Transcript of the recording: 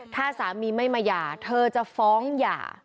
ถ้าสามีไม่มาหย่าเธอจะฟ้องหย่า